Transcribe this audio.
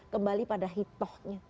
kembali pada hitohnya